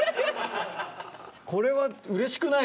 これはうれしくない？